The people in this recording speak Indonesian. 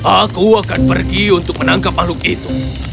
aku akan pergi untuk menangkap makhluk itu